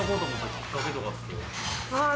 あ